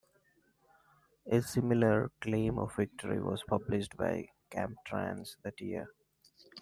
A similar claim of victory was published by Camp Trans that year.